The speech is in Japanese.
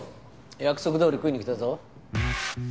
約束どおり食いに来たぞ。